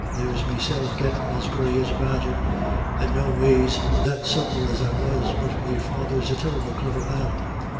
There's meself gettin' as grey as a badger, and noways that supple as I was. But me father's a terrible cliver man.